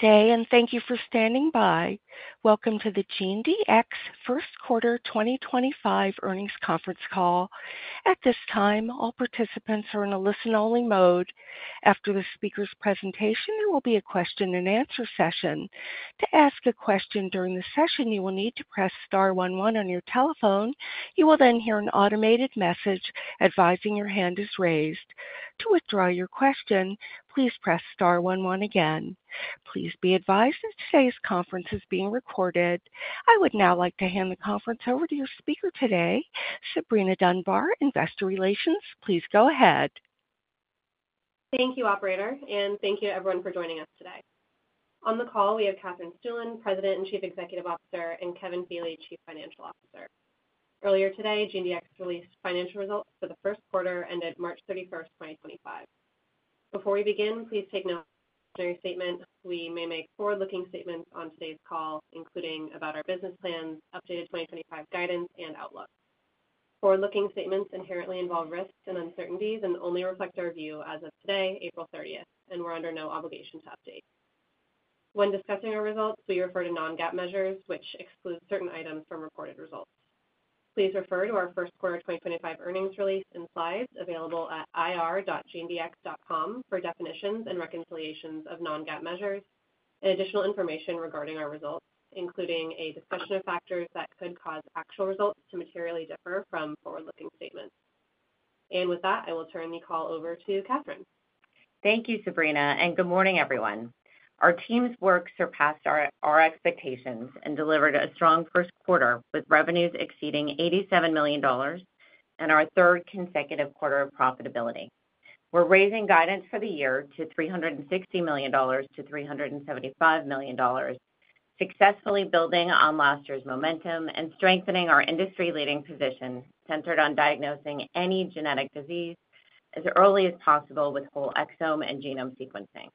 Good day, and thank you for standing by. Welcome to the GeneDx First Quarter 2025 earnings conference call. At this time, all participants are in a listen-only mode. After the speaker's presentation, there will be a question and answer session. To ask a question during the session, you will need to press star 11 on your telephone. You will then hear an automated message advising your hand is raised. To withdraw your question, please press star 11 again. Please be advised that today's conference is being recorded. I would now like to hand the conference over to your speaker today, Sabrina Dunbar, Investor Relations. Please go ahead. Thank you, Operator, and thank you to everyone for joining us today. On the call, we have Katherine Stueland, President and Chief Executive Officer, and Kevin Feeley, Chief Financial Officer. Earlier today, GeneDx released financial results for the first quarter ended March 31, 2025. Before we begin, please take note of our statement. We may make forward-looking statements on today's call, including about our business plans, updated 2025 guidance, and outlook. Forward-looking statements inherently involve risks and uncertainties and only reflect our view as of today, April 30th, and we're under no obligation to update. When discussing our results, we refer to non-GAAP measures, which exclude certain items from reported results. Please refer to our first quarter 2025 earnings release and slides available at ir.genedx.com for definitions and reconciliations of non-GAAP measures and additional information regarding our results, including a discussion of factors that could cause actual results to materially differ from forward-looking statements. With that, I will turn the call over to Katherine. Thank you, Sabrina, and good morning, everyone. Our team's work surpassed our expectations and delivered a strong first quarter with revenues exceeding $87 million and our third consecutive quarter of profitability. We're raising guidance for the year to $360 million-$375 million, successfully building on last year's momentum and strengthening our industry-leading position centered on diagnosing any genetic disease as early as possible with whole exome and genome sequencing.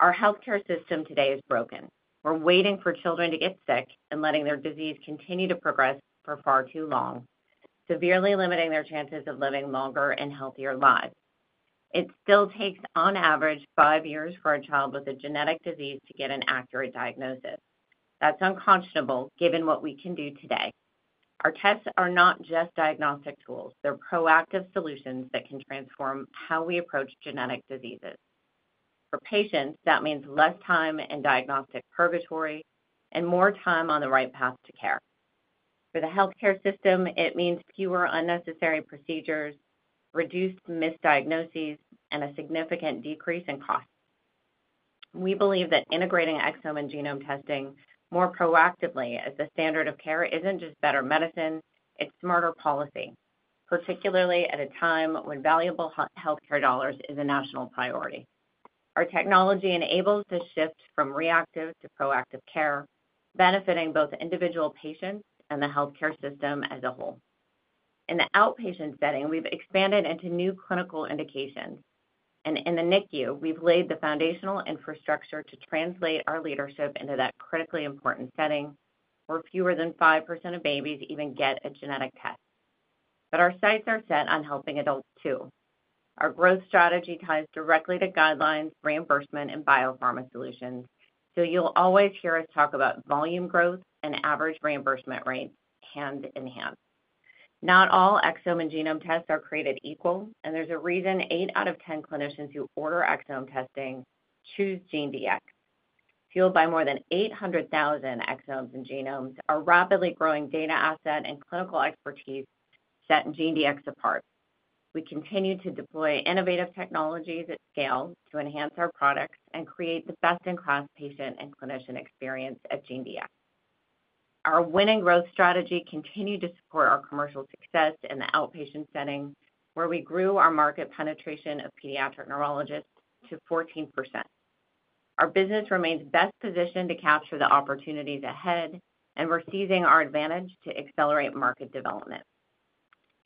Our healthcare system today is broken. We're waiting for children to get sick and letting their disease continue to progress for far too long, severely limiting their chances of living longer and healthier lives. It still takes, on average, five years for a child with a genetic disease to get an accurate diagnosis. That's unconscionable given what we can do today. Our tests are not just diagnostic tools; they're proactive solutions that can transform how we approach genetic diseases. For patients, that means less time in diagnostic purgatory and more time on the right path to care. For the healthcare system, it means fewer unnecessary procedures, reduced misdiagnoses, and a significant decrease in costs. We believe that integrating exome and genome testing more proactively as the standard of care isn't just better medicine, it's smarter policy, particularly at a time when valuable healthcare dollars are a national priority. Our technology enables the shift from reactive to proactive care, benefiting both individual patients and the healthcare system as a whole. In the outpatient setting, we've expanded into new clinical indications, and in the NICU, we've laid the foundational infrastructure to translate our leadership into that critically important setting where fewer than 5% of babies even get a genetic test. Our sights are set on helping adults too. Our growth strategy ties directly to guidelines, reimbursement, and biopharma solutions, so you'll always hear us talk about volume growth and average reimbursement rates hand in hand. Not all exome and genome tests are created equal, and there's a reason 8 out of 10 clinicians who order exome testing choose GeneDx. Fueled by more than 800,000 exomes and genomes, our rapidly growing data asset and clinical expertise set GeneDx apart. We continue to deploy innovative technologies at scale to enhance our products and create the best-in-class patient and clinician experience at GeneDx. Our winning growth strategy continued to support our commercial success in the outpatient setting, where we grew our market penetration of pediatric neurologists to 14%. Our business remains best positioned to capture the opportunities ahead, and we're seizing our advantage to accelerate market development.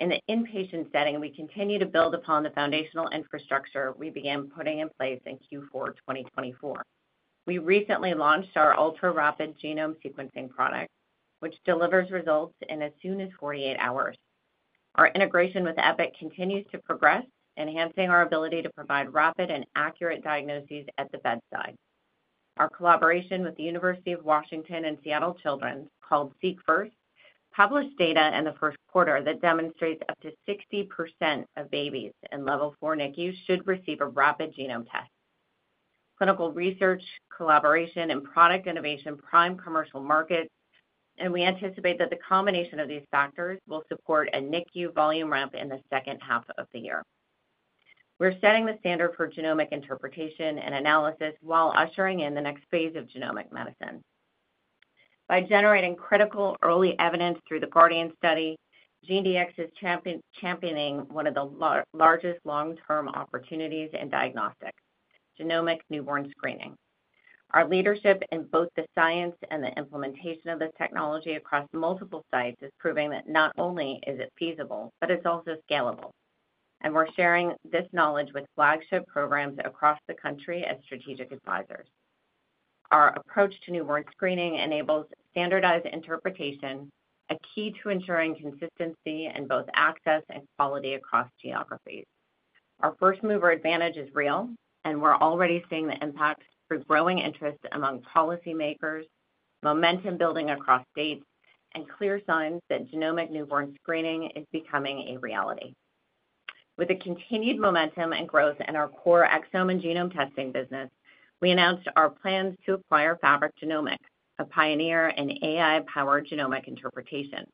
In the inpatient setting, we continue to build upon the foundational infrastructure we began putting in place in Q4 2024. We recently launched our ultraRapid genome sequencing product, which delivers results in as soon as 48 hours. Our integration with Epic continues to progress, enhancing our ability to provide rapid and accurate diagnoses at the bedside. Our collaboration with the University of Washington and Seattle Children's, called SeqFirst, published data in the first quarter that demonstrates up to 60% of babies in level four NICUs should receive a rapid genome test. Clinical research, collaboration, and product innovation prime commercial markets, and we anticipate that the combination of these factors will support a NICU volume ramp in the second half of the year. We're setting the standard for genomic interpretation and analysis while ushering in the next phase of genomic medicine. By generating critical early evidence through the GUARDIAN Study, GeneDx is championing one of the largest long-term opportunities in diagnostics: genomic newborn screening. Our leadership in both the science and the implementation of this technology across multiple sites is proving that not only is it feasible, but it is also scalable. We are sharing this knowledge with flagship programs across the country as strategic advisors. Our approach to newborn screening enables standardized interpretation, a key to ensuring consistency in both access and quality across geographies. Our first-mover advantage is real, and we are already seeing the impact through growing interest among policymakers, momentum building across states, and clear signs that genomic newborn screening is becoming a reality. With the continued momentum and growth in our core exome and genome testing business, we announced our plans to acquire Fabric Genomics, a pioneer in AI-powered genomic interpretation.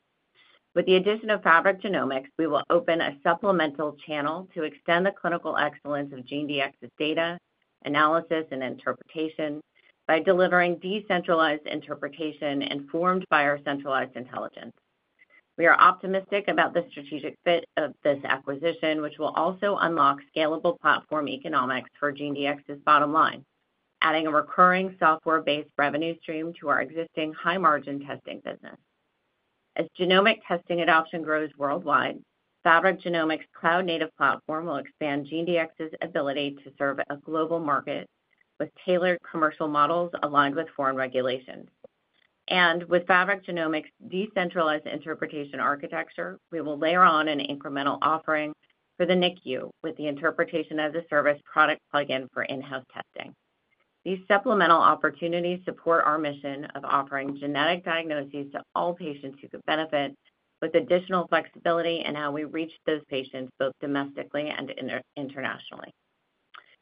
With the addition of Fabric Genomics, we will open a supplemental channel to extend the clinical excellence of GeneDx's data, analysis, and interpretation by delivering decentralized interpretation informed by our centralized intelligence. We are optimistic about the strategic fit of this acquisition, which will also unlock scalable platform economics for GeneDx's bottom line, adding a recurring software-based revenue stream to our existing high-margin testing business. As genomic testing adoption grows worldwide, Fabric Genomics' cloud-native platform will expand GeneDx's ability to serve a global market with tailored commercial models aligned with foreign regulations. With Fabric Genomics' decentralized interpretation architecture, we will layer on an incremental offering for the NICU with the interpretation-as-a-service product plug-in for in-house testing. These supplemental opportunities support our mission of offering genetic diagnoses to all patients who could benefit, with additional flexibility in how we reach those patients both domestically and internationally.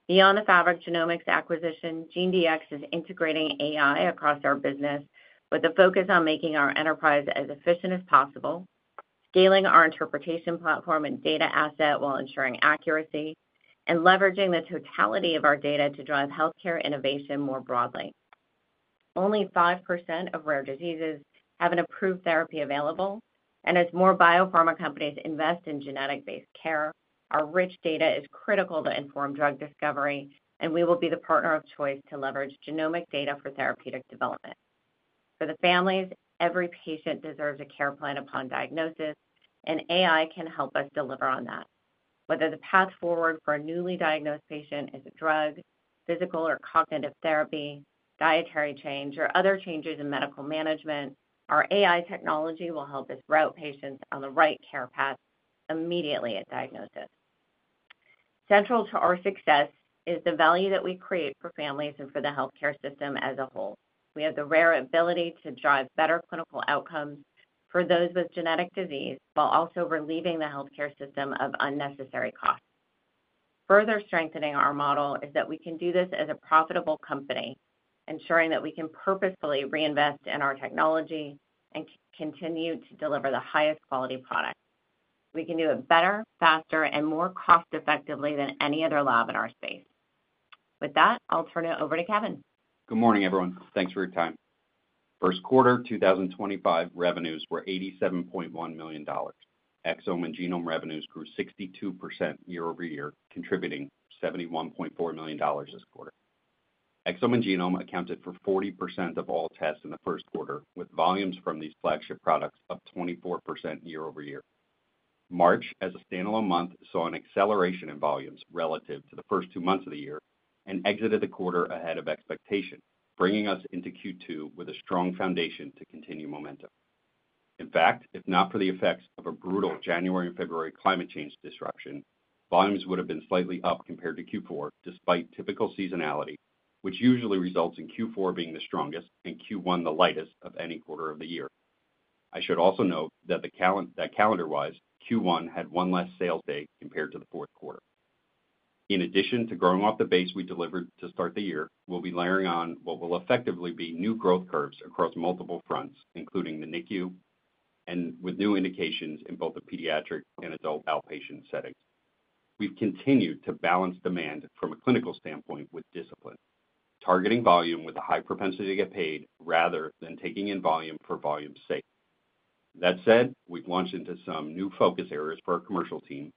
Beyond the Fabric Genomics acquisition, GeneDx is integrating AI across our business with a focus on making our enterprise as efficient as possible, scaling our interpretation platform and data asset while ensuring accuracy, and leveraging the totality of our data to drive healthcare innovation more broadly. Only 5% of rare diseases have an approved therapy available, and as more biopharma companies invest in genetic-based care, our rich data is critical to inform drug discovery, and we will be the partner of choice to leverage genomic data for therapeutic development. For the families, every patient deserves a care plan upon diagnosis, and AI can help us deliver on that. Whether the path forward for a newly diagnosed patient is a drug, physical or cognitive therapy, dietary change, or other changes in medical management, our AI technology will help us route patients on the right care path immediately at diagnosis. Central to our success is the value that we create for families and for the healthcare system as a whole. We have the rare ability to drive better clinical outcomes for those with genetic disease while also relieving the healthcare system of unnecessary costs. Further strengthening our model is that we can do this as a profitable company, ensuring that we can purposefully reinvest in our technology and continue to deliver the highest quality product. We can do it better, faster, and more cost-effectively than any other lab in our space. With that, I'll turn it over to Kevin. Good morning, everyone. Thanks for your time. First quarter 2025 revenues were $87.1 million. Exome and genome revenues grew 62% year over year, contributing $71.4 million this quarter. Exome and genome accounted for 40% of all tests in the first quarter, with volumes from these flagship products up 24% year over year. March, as a standalone month, saw an acceleration in volumes relative to the first two months of the year and exited the quarter ahead of expectation, bringing us into Q2 with a strong foundation to continue momentum. In fact, if not for the effects of a brutal January and February climate change disruption, volumes would have been slightly up compared to Q4 despite typical seasonality, which usually results in Q4 being the strongest and Q1 the lightest of any quarter of the year. I should also note that calendar-wise, Q1 had one less sales day compared to the fourth quarter. In addition to growing off the base we delivered to start the year, we'll be layering on what will effectively be new growth curves across multiple fronts, including the NICU, and with new indications in both the pediatric and adult outpatient settings. We've continued to balance demand from a clinical standpoint with discipline, targeting volume with a high propensity to get paid rather than taking in volume for volume's sake. That said, we've launched into some new focus areas for our commercial team,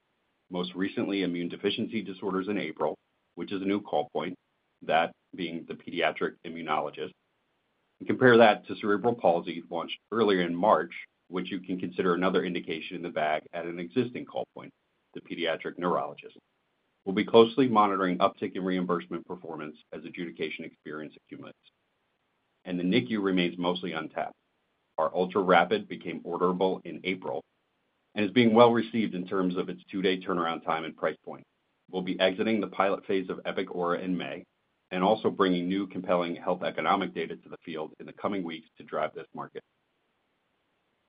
most recently immune deficiency disorders in April, which is a new call point, that being the pediatric immunologist. Compare that to cerebral palsy launched earlier in March, which you can consider another indication in the bag at an existing call point, the pediatric neurologist. will be closely monitoring uptick in reimbursement performance as adjudication experience accumulates. The NICU remains mostly untapped. Our ultraRapid became orderable in April and is being well received in terms of its two-day turnaround time and price point. We will be exiting the pilot phase of Epic Aura in May and also bringing new compelling health economic data to the field in the coming weeks to drive this market.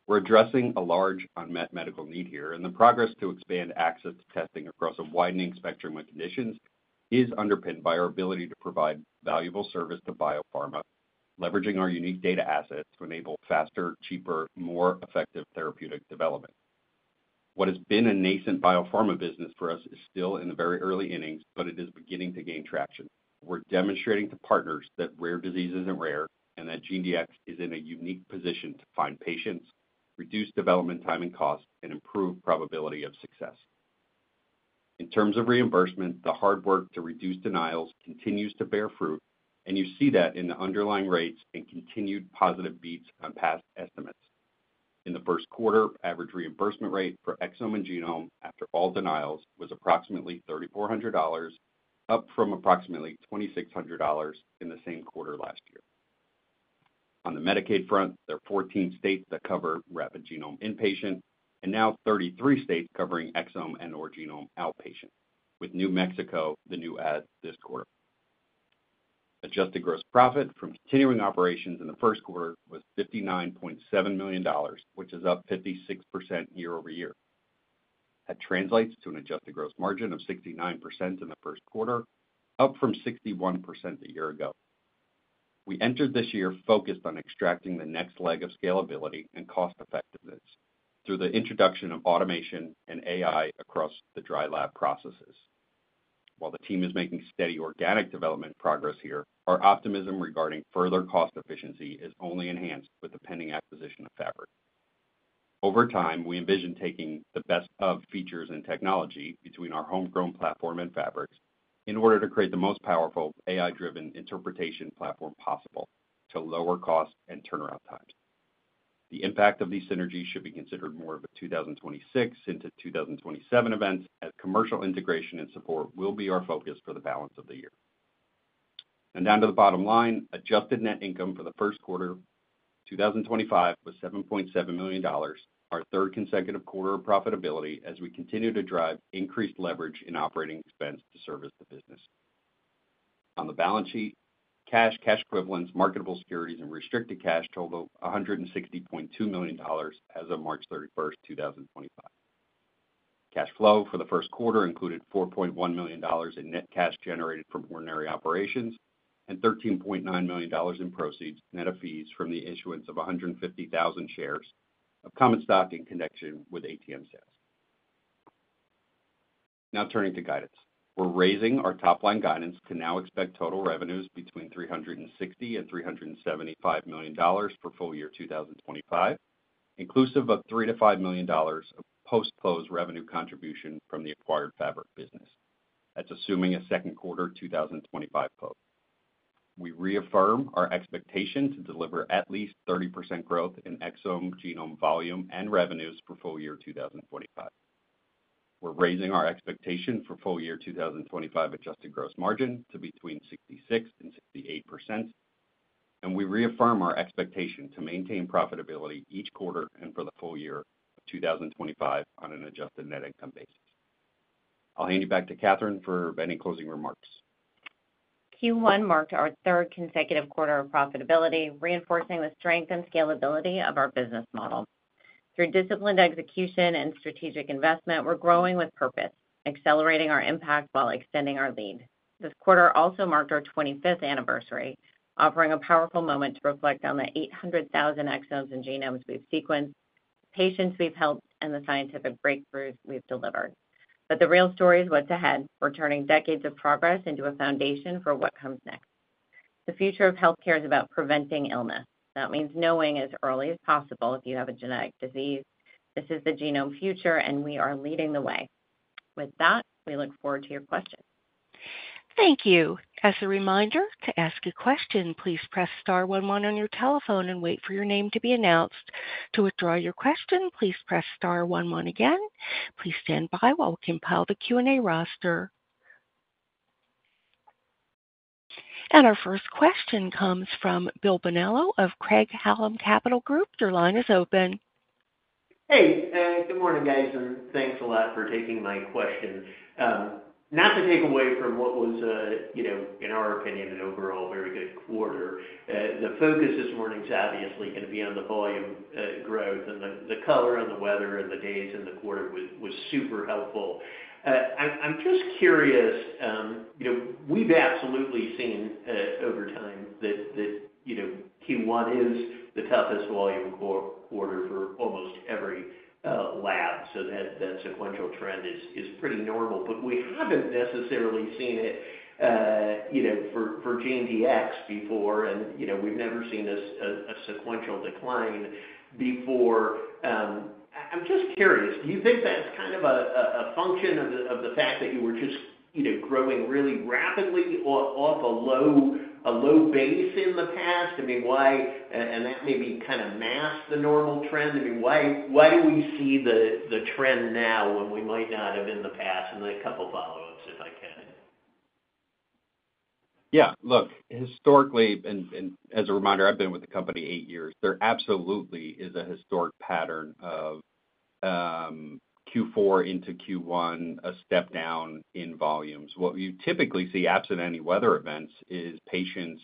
We are addressing a large unmet medical need here, and the progress to expand access to testing across a widening spectrum of conditions is underpinned by our ability to provide valuable service to biopharma, leveraging our unique data assets to enable faster, cheaper, more effective therapeutic development. What has been a nascent biopharma business for us is still in the very early innings, but it is beginning to gain traction. We're demonstrating to partners that rare disease isn't rare and that GeneDx is in a unique position to find patients, reduce development time and cost, and improve probability of success. In terms of reimbursement, the hard work to reduce denials continues to bear fruit, and you see that in the underlying rates and continued positive beats on past estimates. In the first quarter, average reimbursement rate for exome and genome after all denials was approximately $3,400, up from approximately $2,600 in the same quarter last year. On the Medicaid front, there are 14 states that cover Rapid Genome Inpatient and now 33 states covering exome and/or genome outpatient, with New Mexico the new add this quarter. Adjusted gross profit from continuing operations in the first quarter was $59.7 million, which is up 56% year-over-year. That translates to an adjusted gross margin of 69% in the first quarter, up from 61% a year ago. We entered this year focused on extracting the next leg of scalability and cost-effectiveness through the introduction of automation and AI across the dry lab processes. While the team is making steady organic development progress here, our optimism regarding further cost efficiency is only enhanced with the pending acquisition of Fabric. Over time, we envision taking the best of features and technology between our homegrown platform and Fabric's in order to create the most powerful AI-driven interpretation platform possible to lower costs and turnaround times. The impact of these synergies should be considered more of a 2026 into 2027 event, as commercial integration and support will be our focus for the balance of the year. Down to the bottom line, adjusted net income for the first quarter 2025 was $7.7 million, our third consecutive quarter of profitability as we continue to drive increased leverage in operating expense to service the business. On the balance sheet, cash, cash equivalents, marketable securities, and restricted cash total $160.2 million as of March 31st, 2025. Cash flow for the first quarter included $4.1 million in net cash generated from ordinary operations and $13.9 million in proceeds, net of fees, from the issuance of 150,000 shares of common stock in connection with ATM sales. Now turning to guidance, we're raising our top-line guidance to now expect total revenues between $360 million and $375 million for full year 2025, inclusive of $3 million - $5 million of post-close revenue contribution from the acquired Fabric business. That's assuming a second quarter 2025 close. We reaffirm our expectation to deliver at least 30% growth in exome, genome, volume, and revenues for full year 2025. We're raising our expectation for full year 2025 adjusted gross margin to between 66%-68%, and we reaffirm our expectation to maintain profitability each quarter and for the full year of 2025 on an adjusted net income basis. I'll hand you back to Katherine for any closing remarks. Q1 marked our third consecutive quarter of profitability, reinforcing the strength and scalability of our business model. Through disciplined execution and strategic investment, we're growing with purpose, accelerating our impact while extending our lead. This quarter also marked our 25th anniversary, offering a powerful moment to reflect on the 800,000 exomes and genomes we've sequenced, patients we've helped, and the scientific breakthroughs we've delivered. The real story is what's ahead, returning decades of progress into a foundation for what comes next. The future of healthcare is about preventing illness. That means knowing as early as possible if you have a genetic disease. This is the genome future, and we are leading the way. With that, we look forward to your questions. Thank you. As a reminder, to ask a question, please press star 11 on your telephone and wait for your name to be announced. To withdraw your question, please press star 11 again. Please stand by while we compile the Q&A roster. Our first question comes from Bill Bonello of Craig-Hallum Capital Group. Your line is open. Hey, good morning, guys, and thanks a lot for taking my question. Not to take away from what was, in our opinion, an overall very good quarter. The focus this morning is obviously going to be on the volume growth, and the color on the weather and the days in the quarter was super helpful. I'm just curious, we've absolutely seen over time that Q1 is the toughest volume quarter for almost every lab, so that sequential trend is pretty normal. We haven't necessarily seen it for GeneDx before, and we've never seen a sequential decline before. I'm just curious, do you think that's kind of a function of the fact that you were just growing really rapidly off a low base in the past? I mean, and that maybe kind of masked the normal trend. I mean, why do we see the trend now when we might not have in the past? And then a couple of follow-ups, if I can. Yeah, look, historically, and as a reminder, I've been with the company eight years, there absolutely is a historic pattern of Q4 into Q1, a step down in volumes. What you typically see absent any weather events is patients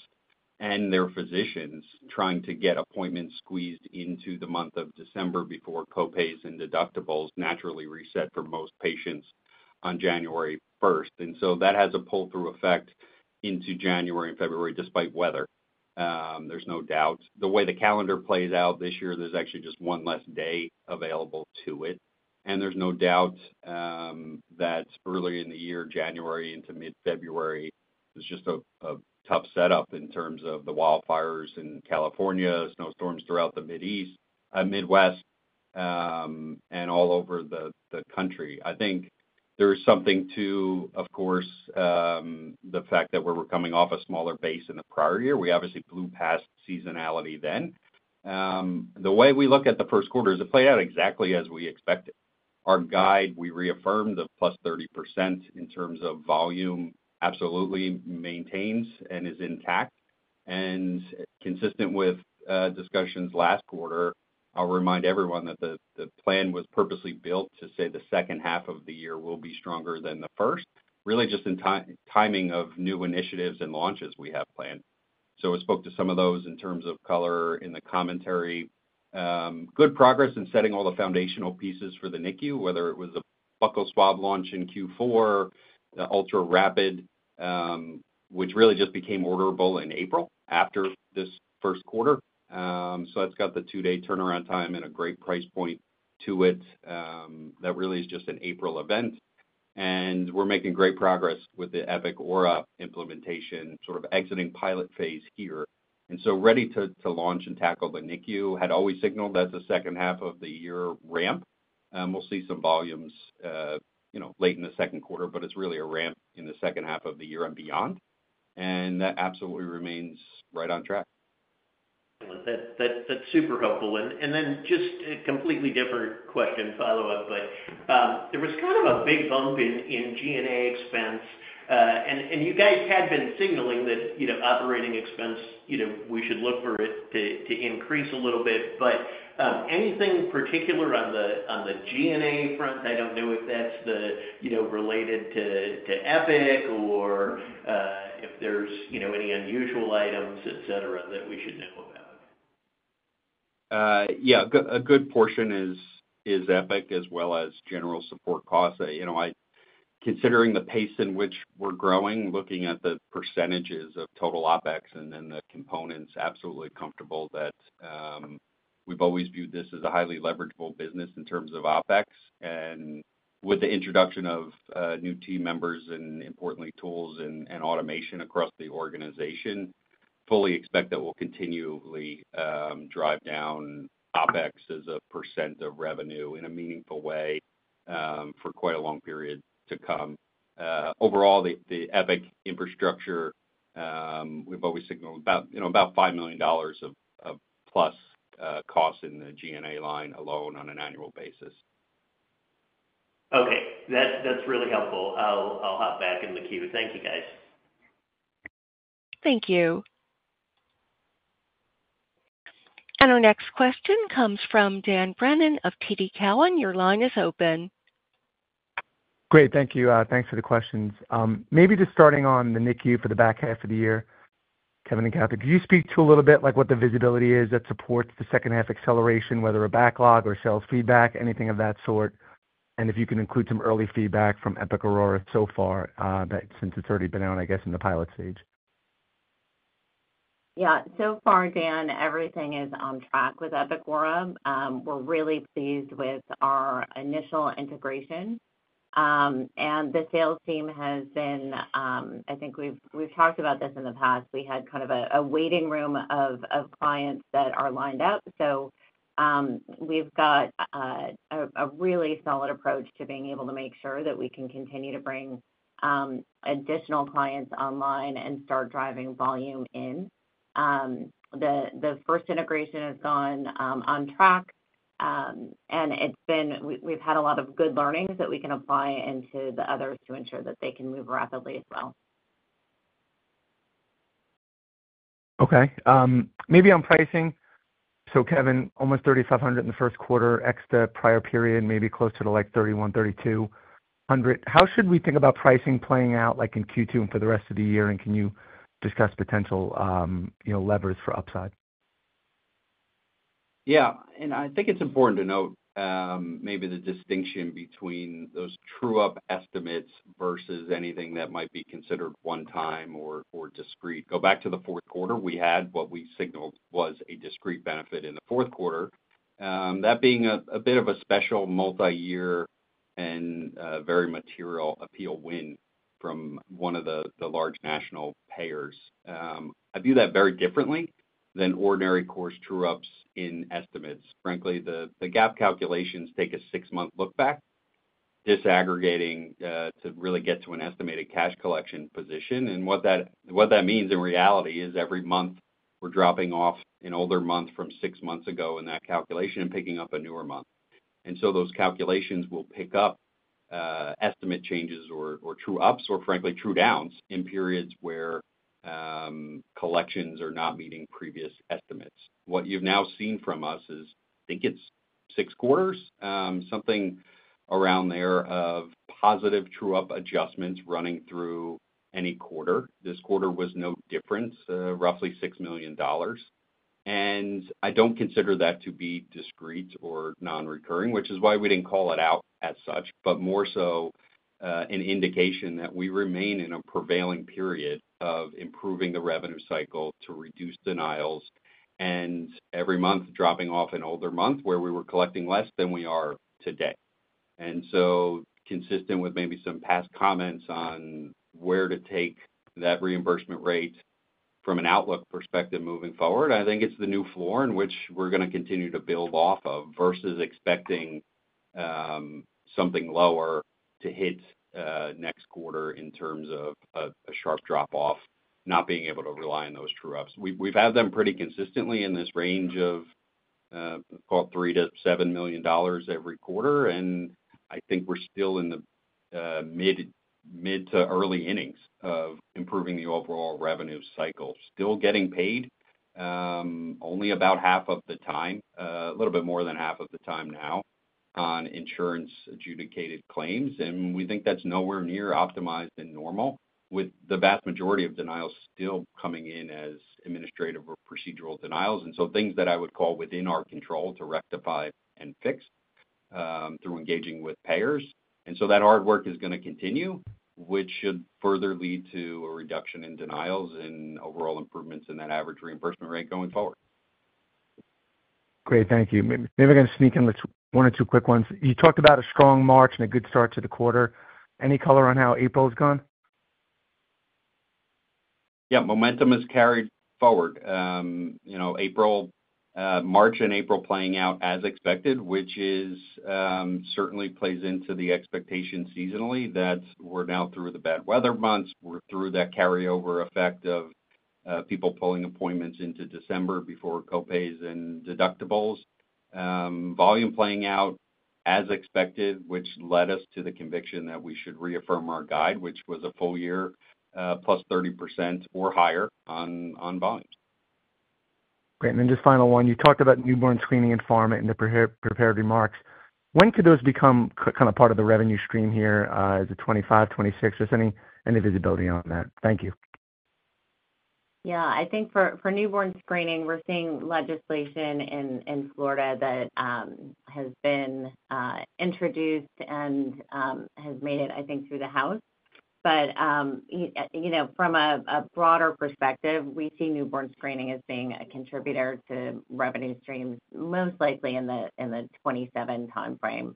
and their physicians trying to get appointments squeezed into the month of December before copays and deductibles naturally reset for most patients on January 1. That has a pull-through effect into January and February despite weather. There's no doubt. The way the calendar plays out this year, there's actually just one less day available to it. There's no doubt that earlier in the year, January into mid-February, it was just a tough setup in terms of the wildfires in California, snow storms throughout the Midwest, and all over the country. I think there is something to, of course, the fact that we were coming off a smaller base in the prior year. We obviously blew past seasonality then. The way we look at the first quarter is it played out exactly as we expected. Our guide, we reaffirmed the plus 30% in terms of volume, absolutely maintains and is intact. Consistent with discussions last quarter, I'll remind everyone that the plan was purposely built to say the second half of the year will be stronger than the first, really just in timing of new initiatives and launches we have planned. I spoke to some of those in terms of color in the commentary. Good progress in setting all the foundational pieces for the NICU, whether it was a buccal swab launch in Q4, the ultraRapid, which really just became orderable in April after this first quarter. It's got the two-day turnaround time and a great price point to it. That really is just an April event. We're making great progress with the Epic Aura implementation, sort of exiting pilot phase here. Ready to launch and tackle the NICU, had always signaled that's a second half of the year ramp. We'll see some volumes late in the second quarter, but it's really a ramp in the second half of the year and beyond. That absolutely remains right on track. That's super helpful. Just a completely different question, follow-up, but there was kind of a big bump in G&A expense. You guys had been signaling that operating expense, we should look for it to increase a little bit. Anything particular on the G&A front? I do not know if that's related to Epic or if there's any unusual items, etc., that we should know about. Yeah, a good portion is Epic as well as general support costs. Considering the pace in which we're growing, looking at the percentages of total OpEx and then the components, absolutely comfortable that we've always viewed this as a highly leverageable business in terms of OpEx. With the introduction of new team members and, importantly, tools and automation across the organization, fully expect that we'll continually drive down OpEx as a percent of revenue in a meaningful way for quite a long period to come. Overall, the Epic infrastructure, we've always signaled about $5 million of plus costs in the G&A line alone on an annual basis. Okay, that's really helpful. I'll hop back in the queue. Thank you, guys. Thank you. Our next question comes from Dan Brennan of TD Cowen. Your line is open. Great, thank you. Thanks for the questions. Maybe just starting on the NICU for the back half of the year, Kevin and Katherine, could you speak to a little bit like what the visibility is that supports the second-half acceleration, whether a backlog or sales feedback, anything of that sort? If you can include some early feedback from Epic Aura so far since it's already been out, I guess, in the pilot stage. Yeah, so far, Dan, everything is on track with Epic Aura. We're really pleased with our initial integration. The sales team has been, I think we've talked about this in the past, we had kind of a waiting room of clients that are lined up. We've got a really solid approach to being able to make sure that we can continue to bring additional clients online and start driving volume in. The first integration has gone on track, and we've had a lot of good learnings that we can apply into the others to ensure that they can move rapidly as well. Okay, maybe on pricing. Kevin, almost $3,500 in the first quarter, ex the prior period, maybe closer to like $3,132,000. How should we think about pricing playing out in Q2 and for the rest of the year? Can you discuss potential levers for upside? Yeah, and I think it's important to note maybe the distinction between those true-up estimates versus anything that might be considered one-time or discreet. Go back to the fourth quarter, we had what we signaled was a discreet benefit in the fourth quarter, that being a bit of a special multi-year and very material appeal win from one of the large national payers. I view that very differently than ordinary course true-ups in estimates. Frankly, the GAAP calculations take a six-month look-back, disaggregating to really get to an estimated cash collection position. What that means in reality is every month we're dropping off an older month from six months ago in that calculation and picking up a newer month. Those calculations will pick up estimate changes or true-ups or, frankly, true-downs in periods where collections are not meeting previous estimates. What you've now seen from us is, I think it's six quarters, something around there of positive true-up adjustments running through any quarter. This quarter was no different, roughly $6 million. I don't consider that to be discreet or non-recurring, which is why we didn't call it out as such, but more so an indication that we remain in a prevailing period of improving the revenue cycle to reduce denials and every month dropping off an older month where we were collecting less than we are today. Consistent with maybe some past comments on where to take that reimbursement rate from an outlook perspective moving forward, I think it's the new floor in which we're going to continue to build off of versus expecting something lower to hit next quarter in terms of a sharp drop-off, not being able to rely on those true-ups. We've had them pretty consistently in this range of about $7 million every quarter. I think we're still in the mid to early innings of improving the overall revenue cycle, still getting paid only about half of the time, a little bit more than half of the time now on insurance-adjudicated claims. We think that's nowhere near optimized and normal, with the vast majority of denials still coming in as administrative or procedural denials. Things that I would call within our control to rectify and fix through engaging with payers. That hard work is going to continue, which should further lead to a reduction in denials and overall improvements in that average reimbursement rate going forward. Great, thank you. Maybe I'm going to sneak in one or two quick ones. You talked about a strong March and a good start to the quarter. Any color on how April's gone? Yeah, momentum has carried forward. March and April playing out as expected, which certainly plays into the expectation seasonally that we're now through the bad weather months. We're through that carryover effect of people pulling appointments into December before copays and deductibles. Volume playing out as expected, which led us to the conviction that we should reaffirm our guide, which was a full year, plus 30% or higher on volumes. Great. And then just final one. You talked about newborn screening and farming in the prepared remarks. When could those become kind of part of the revenue stream here? Is it 2025, 2026? Just any visibility on that? Thank you. Yeah, I think for newborn screening, we're seeing legislation in Florida that has been introduced and has made it, I think, through the House. From a broader perspective, we see newborn screening as being a contributor to revenue streams, most likely in the 2027 timeframe.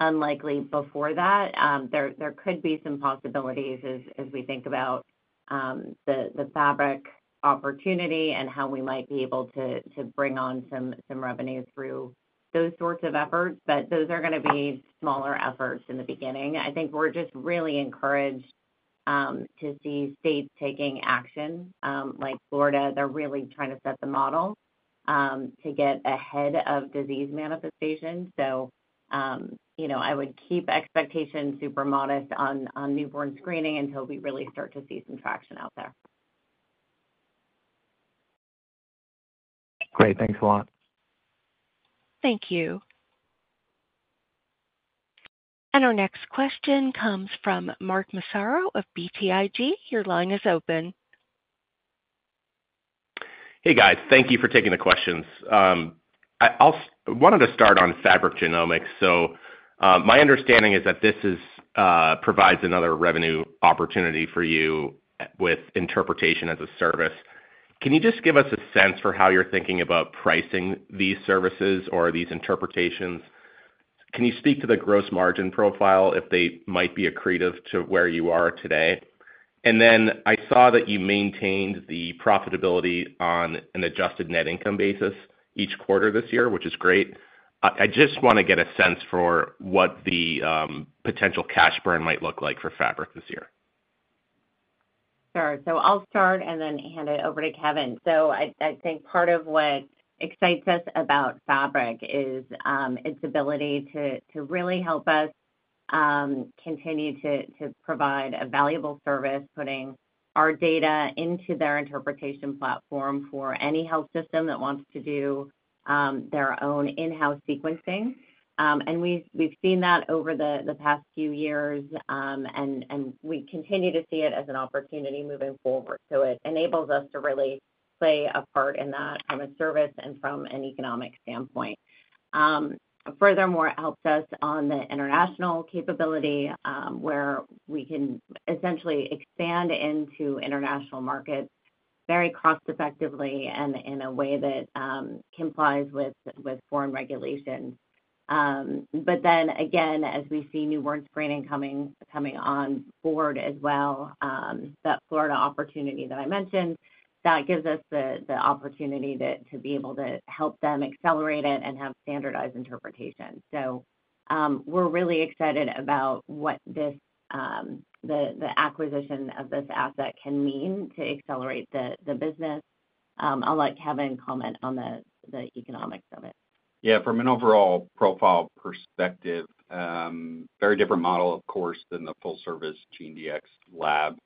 Unlikely before that. There could be some possibilities as we think about the Fabric opportunity and how we might be able to bring on some revenue through those sorts of efforts. Those are going to be smaller efforts in the beginning. I think we're just really encouraged to see states taking action. Like Florida, they're really trying to set the model to get ahead of disease manifestation. I would keep expectations super modest on newborn screening until we really start to see some traction out there. Great, thanks a lot. Thank you. Our next question comes from Mark Massaro of BTIG. Your line is open. Hey, guys. Thank you for taking the questions. I wanted to start on Fabric Genomics. My understanding is that this provides another revenue opportunity for you with interpretation as a service. Can you just give us a sense for how you're thinking about pricing these services or these interpretations? Can you speak to the gross margin profile if they might be accretive to where you are today? I saw that you maintained the profitability on an adjusted net income basis each quarter this year, which is great. I just want to get a sense for what the potential cash burn might look like for Fabric this year. Sure. I'll start and then hand it over to Kevin. I think part of what excites us about Fabric is its ability to really help us continue to provide a valuable service, putting our data into their interpretation platform for any health system that wants to do their own in-house sequencing. We've seen that over the past few years, and we continue to see it as an opportunity moving forward. It enables us to really play a part in that from a service and from an economic standpoint. Furthermore, it helps us on the international capability where we can essentially expand into international markets very cost-effectively and in a way that complies with foreign regulations. As we see newborn screening coming on board as well, that Florida opportunity that I mentioned, that gives us the opportunity to be able to help them accelerate it and have standardized interpretation. We're really excited about what the acquisition of this asset can mean to accelerate the business. I'll let Kevin comment on the economics of it. Yeah, from an overall profile perspective, very different model, of course, than the full-service GeneDx Lab.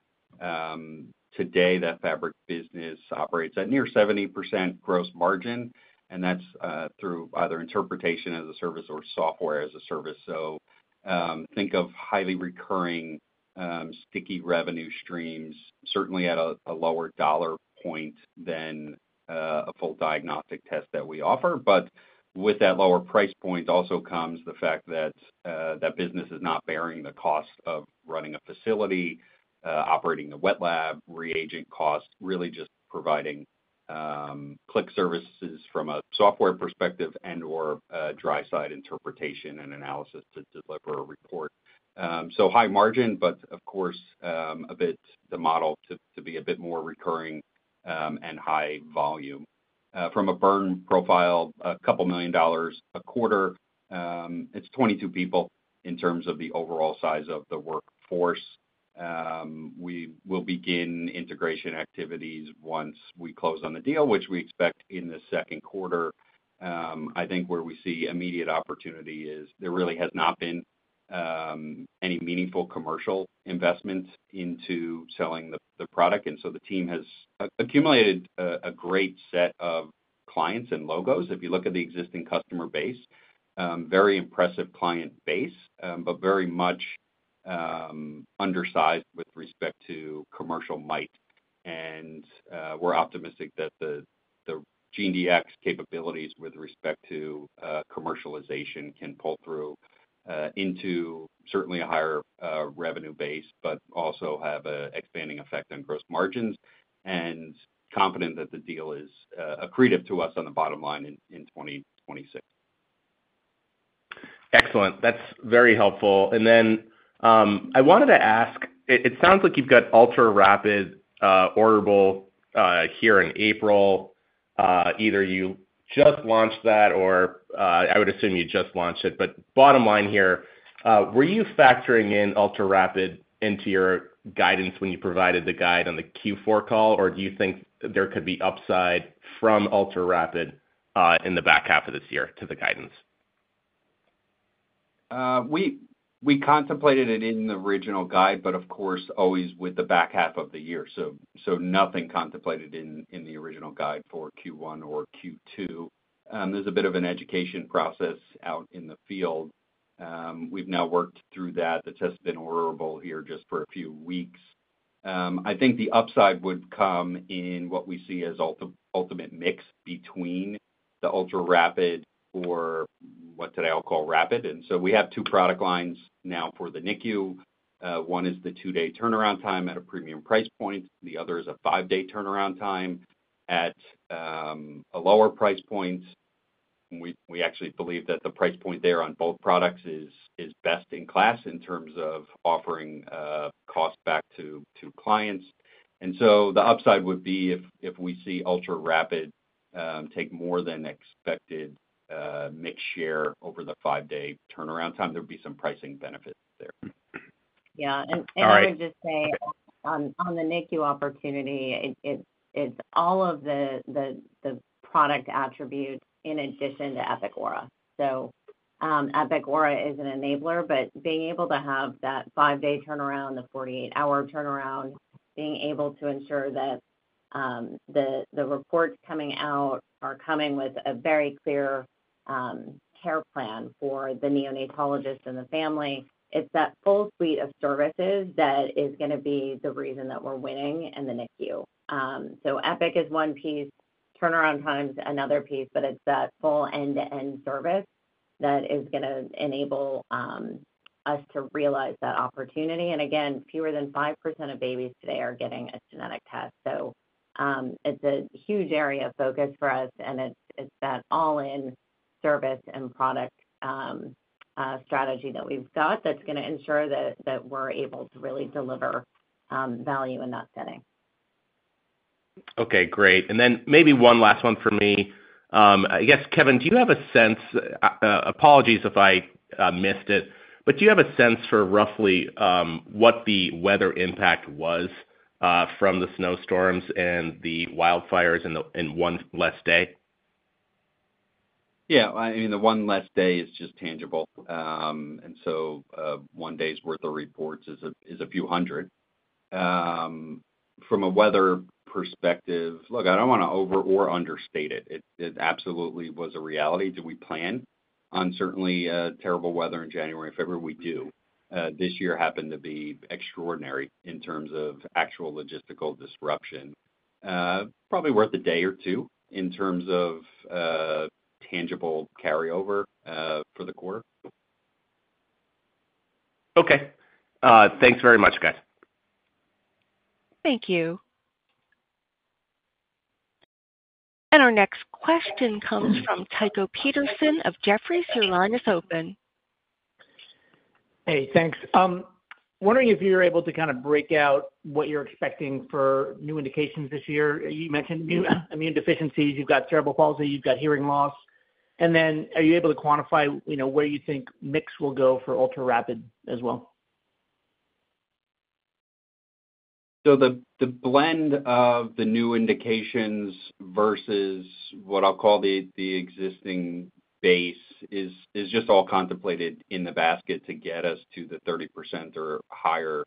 Today, that Fabric business operates at near 70% gross margin, and that's through either interpretation as a service or software as a service. Think of highly recurring, sticky revenue streams, certainly at a lower dollar point than a full diagnostic test that we offer. With that lower price point also comes the fact that that business is not bearing the cost of running a facility, operating a wet lab, reagent cost, really just providing click services from a software perspective and/or dry-side interpretation and analysis to deliver a report. High margin, but of course, the model to be a bit more recurring and high volume. From a burn profile, a couple million dollars a quarter, it's 22 people in terms of the overall size of the workforce. We will begin integration activities once we close on the deal, which we expect in the second quarter. I think where we see immediate opportunity is there really has not been any meaningful commercial investments into selling the product. The team has accumulated a great set of clients and logos. If you look at the existing customer base, very impressive client base, but very much undersized with respect to commercial might. We are optimistic that the GeneDx capabilities with respect to commercialization can pull through into certainly a higher revenue base, but also have an expanding effect on gross margins and confident that the deal is accretive to us on the bottom line in 2026. Excellent. That's very helpful. I wanted to ask, it sounds like you've got ultraRapid orderable here in April. Either you just launched that, or I would assume you just launched it. Bottom line here, were you factoring in ultraRapid into your guidance when you provided the guide on the Q4 call, or do you think there could be upside from ultraRapid in the back half of this year to the guidance? We contemplated it in the original guide, but of course, always with the back half of the year. Nothing contemplated in the original guide for Q1 or Q2. There's a bit of an education process out in the field. We've now worked through that. The test has been orderable here just for a few weeks. I think the upside would come in what we see as ultimate mix between the ultraRapid or what did I all call Rapid. We have two product lines now for the NICU. One is the two-day turnaround time at a premium price point. The other is a five-day turnaround time at a lower price point. We actually believe that the price point there on both products is best in class in terms of offering cost back to clients. The upside would be if we see ultraRapid take more than expected mixed share over the five-day turnaround time, there would be some pricing benefit there. Yeah. I would just say on the NICU opportunity, it's all of the product attributes in addition to Epic Aura. Epic Aura is an enabler, but being able to have that five-day turnaround, the 48-hour turnaround, being able to ensure that the reports coming out are coming with a very clear care plan for the neonatologist and the family, it's that full suite of services that is going to be the reason that we're winning in the NICU. Epic is one piece, turnaround time is another piece, but it's that full end-to-end service that is going to enable us to realize that opportunity. Again, fewer than 5% of babies today are getting a genetic test. It's a huge area of focus for us, and it's that all-in service and product strategy that we've got that's going to ensure that we're able to really deliver value in that setting. Okay, great. Maybe one last one for me. I guess, Kevin, do you have a sense—apologies if I missed it—but do you have a sense for roughly what the weather impact was from the snowstorms and the wildfires in one less day? Yeah. I mean, the one less day is just tangible. And so one day's worth of reports is a few hundred. From a weather perspective, look, I don't want to over or understate it. It absolutely was a reality. Do we plan on certainly terrible weather in January and February? We do. This year happened to be extraordinary in terms of actual logistical disruption. Probably worth a day or two in terms of tangible carryover for the quarter. Okay. Thanks very much, guys. Thank you. Our next question comes from Tycho Peterson of Jefferies, your line is open. Hey, thanks. Wondering if you're able to kind of break out what you're expecting for new indications this year. You mentioned immune deficiencies. You've got cerebral palsy. You've got hearing loss. Are you able to quantify where you think mix will go for ultraRapid as well? The blend of the new indications versus what I'll call the existing base is just all contemplated in the basket to get us to the 30% or higher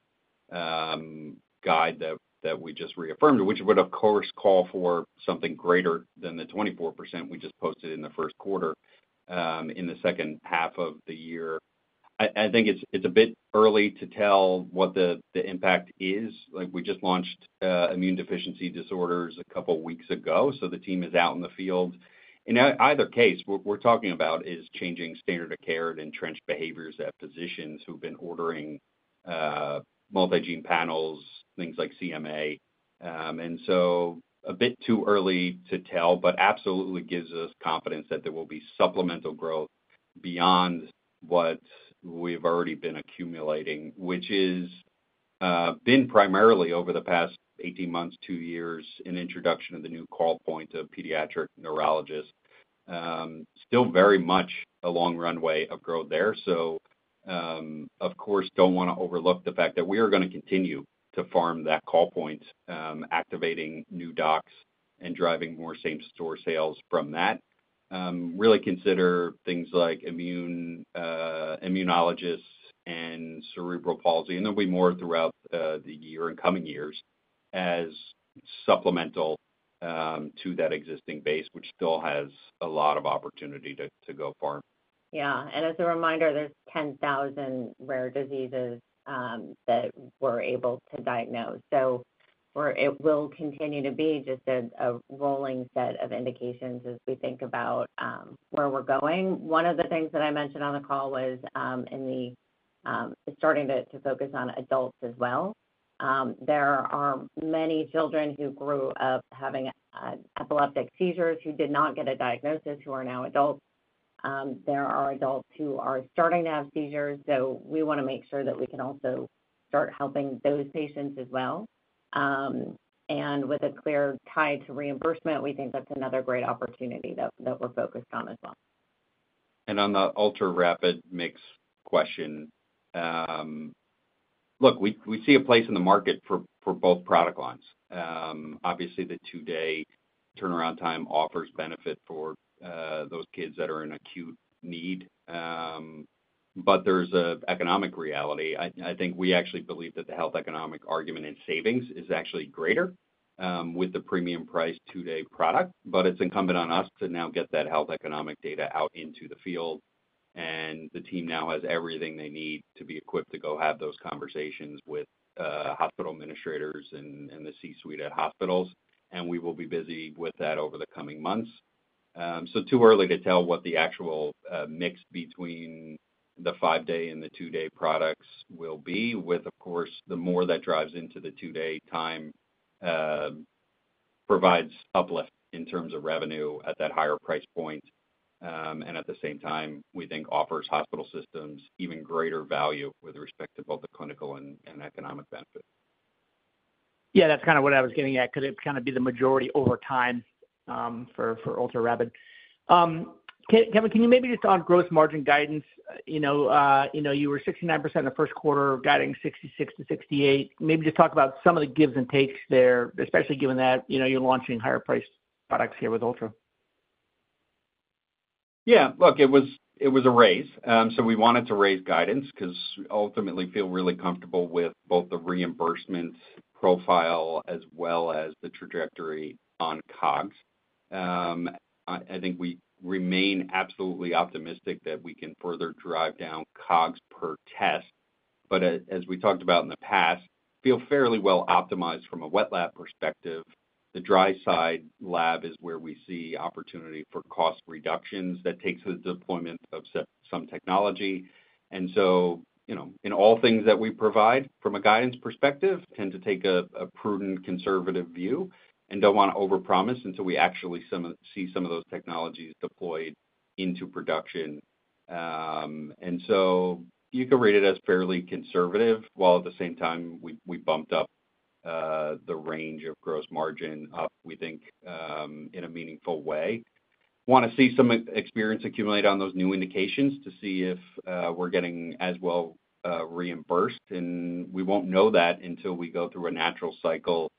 guide that we just reaffirmed, which would, of course, call for something greater than the 24% we just posted in the first quarter in the second half of the year. I think it's a bit early to tell what the impact is. We just launched immune deficiency disorders a couple of weeks ago, so the team is out in the field. In either case, what we're talking about is changing standard of care and entrenched behaviors at physicians who've been ordering multi-gene panels, things like CMA. It is a bit too early to tell, but absolutely gives us confidence that there will be supplemental growth beyond what we've already been accumulating, which has been primarily over the past 18 months, two years, in introduction of the new call point of pediatric neurologists. Still very much a long runway of growth there. Of course, do not want to overlook the fact that we are going to continue to farm that call point, activating new docs and driving more same-store sales from that. Really consider things like immunologists and cerebral palsy. There will be more throughout the year and coming years as supplemental to that existing base, which still has a lot of opportunity to go far. Yeah. As a reminder, there's 10,000 rare diseases that we're able to diagnose. It will continue to be just a rolling set of indications as we think about where we're going. One of the things that I mentioned on the call was starting to focus on adults as well. There are many children who grew up having epileptic seizures who did not get a diagnosis, who are now adults. There are adults who are starting to have seizures. We want to make sure that we can also start helping those patients as well. With a clear tie to reimbursement, we think that's another great opportunity that we're focused on as well. On the ultraRapid mix question, look, we see a place in the market for both product lines. Obviously, the two-day turnaround time offers benefit for those kids that are in acute need. There is an economic reality. I think we actually believe that the health economic argument in savings is actually greater with the premium price two-day product. It is incumbent on us to now get that health economic data out into the field. The team now has everything they need to be equipped to go have those conversations with hospital administrators and the C-suite at hospitals. We will be busy with that over the coming months. It is too early to tell what the actual mix between the five-day and the two-day products will be, with, of course, the more that drives into the two-day time provides uplift in terms of revenue at that higher price point. At the same time, we think offers hospital systems even greater value with respect to both the clinical and economic benefit. Yeah, that's kind of what I was getting at. Could it kind of be the majority over time for ultraRapid? Kevin, can you maybe just on gross margin guidance? You were 69% in the first quarter, guiding 66%-68%. Maybe just talk about some of the gives and takes there, especially given that you're launching higher-priced products here with Ultra. Yeah. Look, it was a raise. We wanted to raise guidance because we ultimately feel really comfortable with both the reimbursement profile as well as the trajectory on COGS. I think we remain absolutely optimistic that we can further drive down COGS per test. As we talked about in the past, feel fairly well optimized from a wet lab perspective. The dry-side lab is where we see opportunity for cost reductions that takes the deployment of some technology. In all things that we provide from a guidance perspective, tend to take a prudent conservative view and do not want to overpromise until we actually see some of those technologies deployed into production. You can rate it as fairly conservative, while at the same time, we bumped up the range of gross margin up, we think, in a meaningful way. Want to see some experience accumulate on those new indications to see if we're getting as well reimbursed. We won't know that until we go through a natural cycle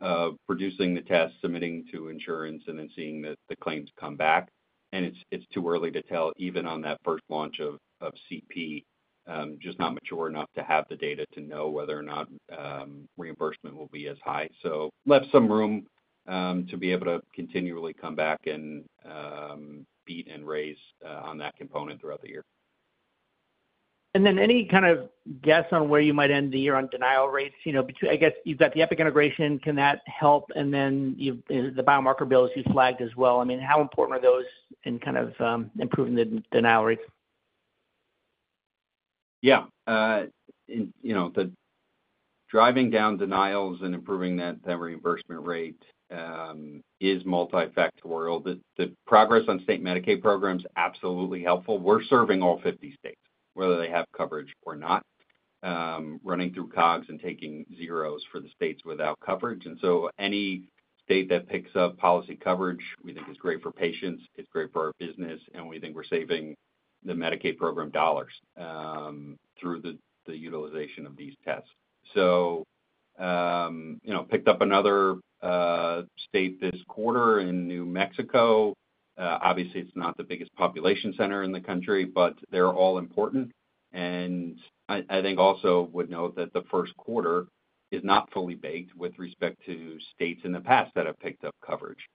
of producing the test, submitting to insurance, and then seeing the claims come back. It is too early to tell even on that first launch of CP, just not mature enough to have the data to know whether or not reimbursement will be as high. Left some room to be able to continually come back and beat and raise on that component throughout the year. you have any kind of guess on where you might end the year on denial rates? You have the Epic integration. Can that help? The biomarker bills you flagged as well, how important are those in improving the denial rates? Yeah. Driving down denials and improving that reimbursement rate is multifactorial. The progress on state Medicaid programs is absolutely helpful. We're serving all 50 states, whether they have coverage or not, running through COGS and taking zeros for the states without coverage. Any state that picks up policy coverage, we think is great for patients. It's great for our business. We think we're saving the Medicaid program dollars through the utilization of these tests. Picked up another state this quarter in New Mexico. Obviously, it's not the biggest population center in the country, but they're all important. I think also would note that the first quarter is not fully baked with respect to states in the past that have picked up coverage.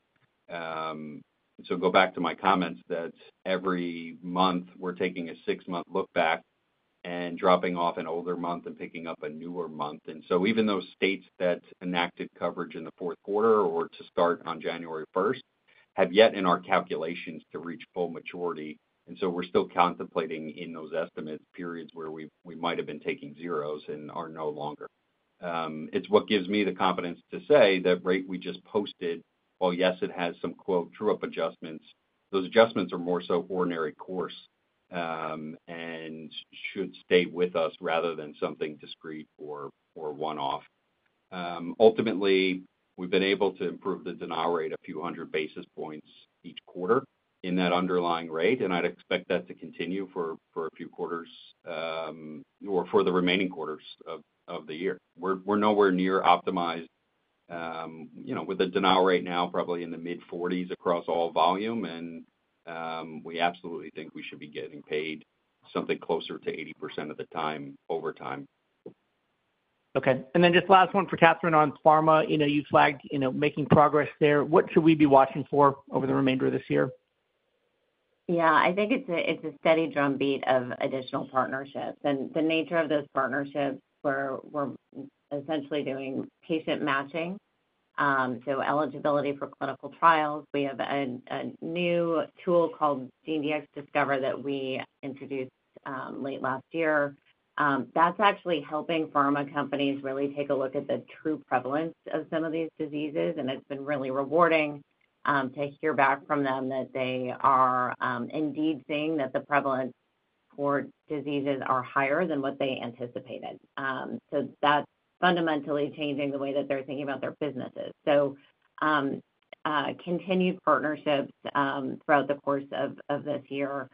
Go back to my comments that every month we're taking a six-month look back and dropping off an older month and picking up a newer month. Even those states that enacted coverage in the fourth quarter or to start on January 1 have yet in our calculations to reach full maturity. We are still contemplating in those estimates periods where we might have been taking zeros and are no longer. It is what gives me the confidence to say that rate we just posted, while yes, it has some quote true-up adjustments, those adjustments are more so ordinary course and should stay with us rather than something discreet or one-off. Ultimately, we've been able to improve the denial rate a few hundred basis points each quarter in that underlying rate. I would expect that to continue for a few quarters or for the remaining quarters of the year. We are nowhere near optimized with a denial rate now probably in the mid-40% across all volume. We absolutely think we should be getting paid something closer to 80% of the time over time. Okay. And then just last one for Katherine on pharma. You flagged making progress there. What should we be watching for over the remainder of this year? Yeah. I think it's a steady drumbeat of additional partnerships. The nature of those partnerships, we're essentially doing patient matching. So eligibility for clinical trials. We have a new tool called GeneDx Discover that we introduced late last year. That's actually helping pharma companies really take a look at the true prevalence of some of these diseases. It's been really rewarding to hear back from them that they are indeed seeing that the prevalence for diseases are higher than what they anticipated. That's fundamentally changing the way that they're thinking about their businesses. Continued partnerships throughout the course of this year.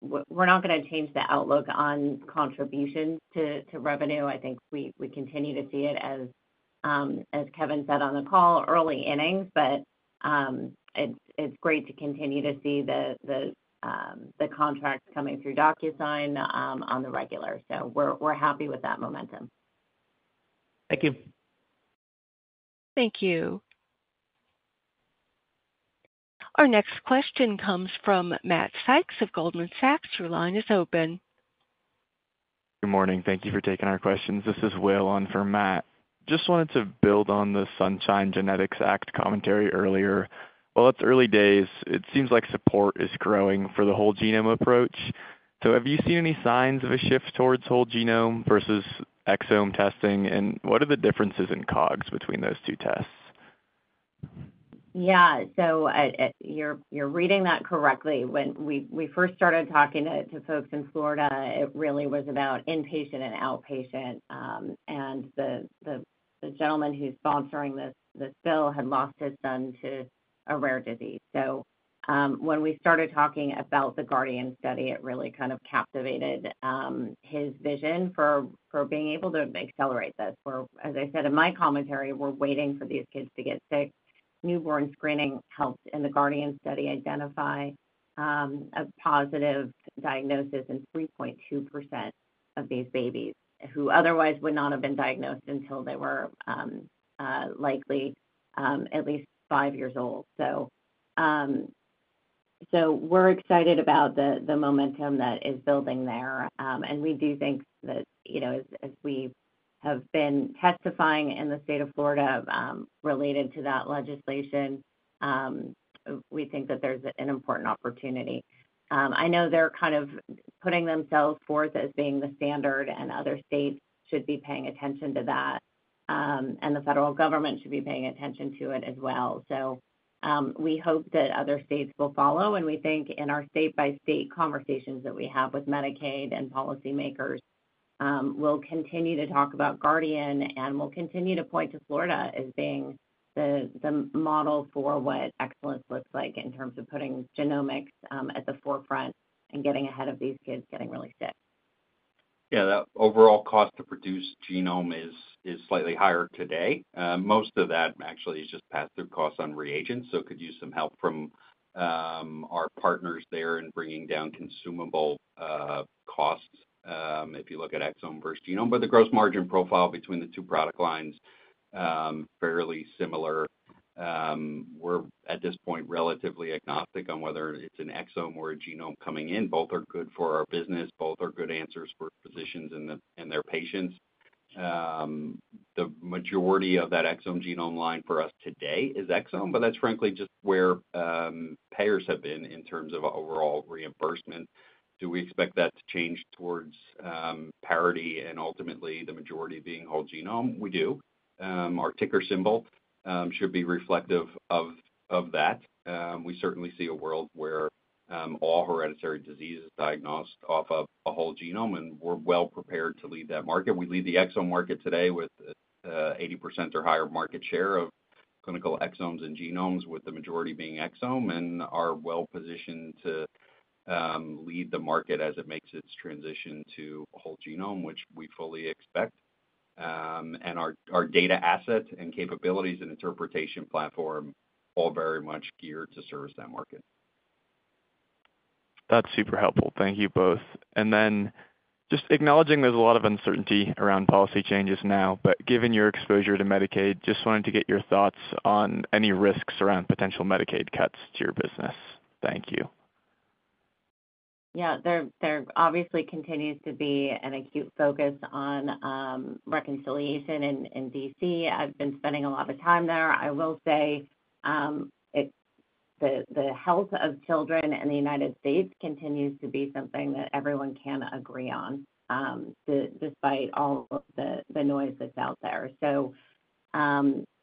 We're not going to change the outlook on contributions to revenue. I think we continue to see it, as Kevin said on the call, early innings. It's great to continue to see the contracts coming through DocuSign on the regular. We're happy with that momentum. Thank you. Thank you. Our next question comes from Matt Sykes of Goldman Sachs. Your line is open. Good morning. Thank you for taking our questions. This is Will on for Matt. Just wanted to build on the Sunshine Genetics Act commentary earlier. It is early days. It seems like support is growing for the whole genome approach. Have you seen any signs of a shift towards whole genome versus exome testing? What are the differences in COGS between those two tests? Yeah. You're reading that correctly. When we first started talking to folks in Florida, it really was about inpatient and outpatient. The gentleman who's sponsoring this bill had lost his son to a rare disease. When we started talking about the GUARDIAN Study, it really kind of captivated his vision for being able to accelerate this. As I said in my commentary, we're waiting for these kids to get sick. Newborn screening helped. The GUARDIAN Study identified a positive diagnosis in 3.2% of these babies who otherwise would not have been diagnosed until they were likely at least five years old. We're excited about the momentum that is building there. We do think that as we have been testifying in the state of Florida related to that legislation, there's an important opportunity. I know they're kind of putting themselves forth as being the standard, and other states should be paying attention to that. The federal government should be paying attention to it as well. We hope that other states will follow. We think in our state-by-state conversations that we have with Medicaid and policymakers, we'll continue to talk about GUARDIAN, and we'll continue to point to Florida as being the model for what excellence looks like in terms of putting genomics at the forefront and getting ahead of these kids getting really sick. Yeah. That overall cost to produce genome is slightly higher today. Most of that actually is just pass-through costs on reagents. Could use some help from our partners there in bringing down consumable costs if you look at exome versus genome. The gross margin profile between the two product lines is fairly similar. We're at this point relatively agnostic on whether it's an exome or a genome coming in. Both are good for our business. Both are good answers for physicians and their patients. The majority of that exome genome line for us today is exome. That's frankly just where payers have been in terms of overall reimbursement. Do we expect that to change towards parity and ultimately the majority being whole genome? We do. Our ticker symbol should be reflective of that. We certainly see a world where all hereditary diseases are diagnosed off of a whole genome. We are well prepared to lead that market. We lead the exome market today with 80% or higher market share of clinical exomes and genomes, with the majority being exome, and are well positioned to lead the market as it makes its transition to whole genome, which we fully expect. Our data asset and capabilities and interpretation platform are all very much geared to service that market. That's super helpful. Thank you both. Just acknowledging there's a lot of uncertainty around policy changes now, but given your exposure to Medicaid, just wanted to get your thoughts on any risks around potential Medicaid cuts to your business. Thank you. Yeah. There obviously continues to be an acute focus on reconciliation in Washington, D.C. I've been spending a lot of time there. I will say the health of children in the United States continues to be something that everyone can agree on despite all the noise that's out there.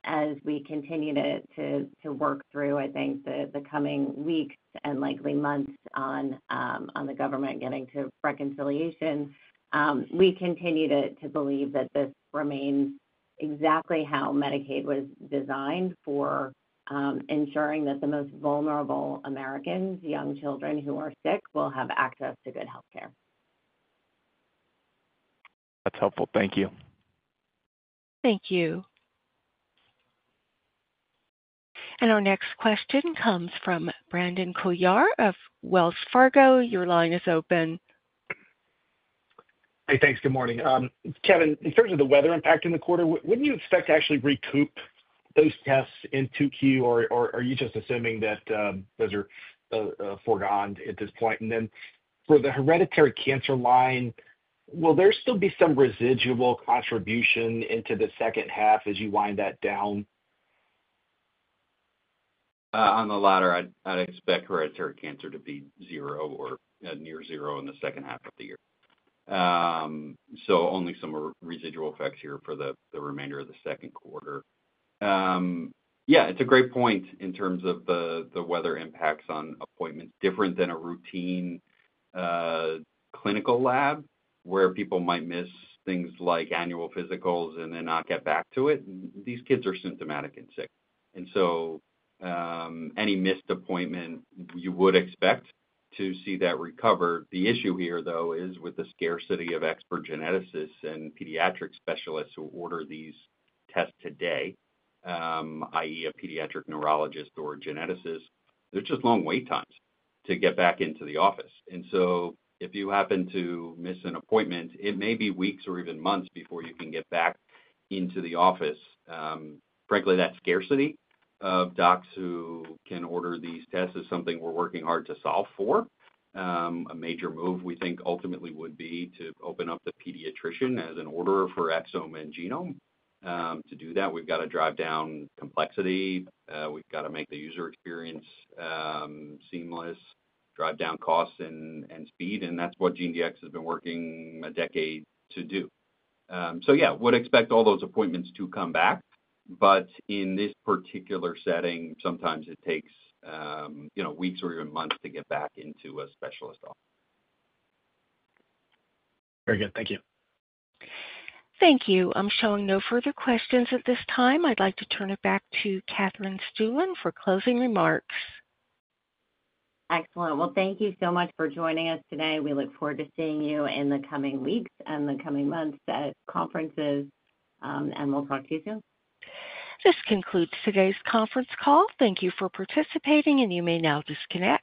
As we continue to work through, I think, the coming weeks and likely months on the government getting to reconciliation, we continue to believe that this remains exactly how Medicaid was designed for ensuring that the most vulnerable Americans, young children who are sick, will have access to good healthcare. That's helpful. Thank you. Thank you. Our next question comes from Brandon Koyar of Wells Fargo. Your line is open. Hey, thanks. Good morning. Kevin, in terms of the weather impact in the quarter, would not you expect to actually recoup those tests in 2Q, or are you just assuming that those are foregone at this point? For the hereditary cancer line, will there still be some residual contribution into the second half as you wind that down? On the latter, I'd expect hereditary cancer to be zero or near zero in the second half of the year. Only some residual effects here for the remainder of the second quarter. Yeah. It's a great point in terms of the weather impacts on appointments. Different than a routine clinical lab where people might miss things like annual physicals and then not get back to it. These kids are symptomatic and sick. Any missed appointment, you would expect to see that recover. The issue here, though, is with the scarcity of expert geneticists and pediatric specialists who order these tests today, i.e., a pediatric neurologist or a geneticist, there's just long wait times to get back into the office. If you happen to miss an appointment, it may be weeks or even months before you can get back into the office. Frankly, that scarcity of docs who can order these tests is something we're working hard to solve for. A major move we think ultimately would be to open up the pediatrician as an order for exome and genome. To do that, we've got to drive down complexity. We've got to make the user experience seamless, drive down costs and speed. That is what GeneDx has been working a decade to do. Yeah, we'd expect all those appointments to come back. In this particular setting, sometimes it takes weeks or even months to get back into a specialist office. Very good. Thank you. Thank you. I'm showing no further questions at this time. I'd like to turn it back to Katherine Stueland for closing remarks. Excellent. Thank you so much for joining us today. We look forward to seeing you in the coming weeks and the coming months at conferences. We will talk to you soon. This concludes today's conference call. Thank you for participating, and you may now disconnect.